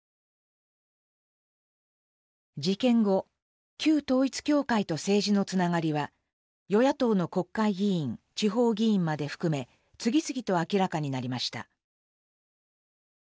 事件後旧統一教会と政治のつながりは与野党の国会議員地方議員まで含め次々と明らかになりました。